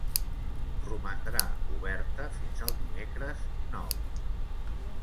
Romandrà oberta fins el dimecres, nou.